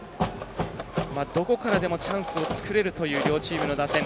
どこからでもチャンスを作れるという両チームの打線。